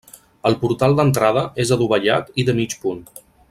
El portal d'entrada és adovellat i de mig punt.